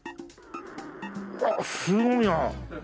ああすごいな。